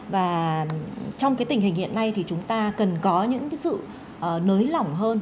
và trong cái tình hình hiện nay thì chúng ta cần có những cái sự nới lỏng hơn